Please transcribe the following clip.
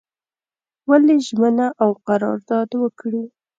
ولي ژمنه او قرارداد وکړي.